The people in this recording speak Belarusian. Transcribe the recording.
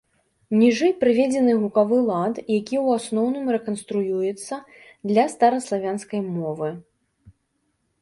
Ніжэй прыведзены гукавы лад, які ў асноўным рэканструюецца для стараславянскай мовы.